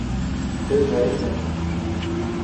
Һеҙ Наилме?